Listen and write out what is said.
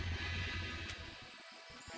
spor terus mu